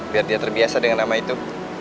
biar dia terbiasa dengan nama itu